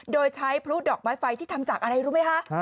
โดยใช้พลุดอกไม้ไฟที่ทำจากอะไรรู้ไหมคะ